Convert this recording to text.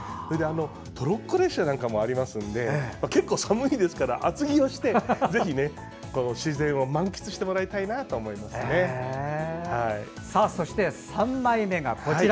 トロッコ列車なんかもありますので結構、寒いですから厚着をしてぜひ自然をそして３枚目が、こちら。